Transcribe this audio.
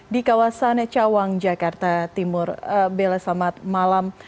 di kawasan cawang jakarta timur bella selamat malam